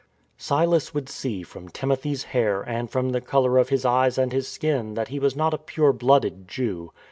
Silas would see from Timothy's hair and from the colour of his eyes and his skin that he was not a pure blooded Jew.